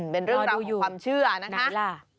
เป็นเรื่องราวของความเชื่อนะคะพอดูอยู่ไหนล่ะ